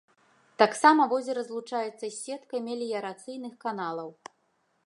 Таксама возера злучаецца з сеткай меліярацыйных каналаў.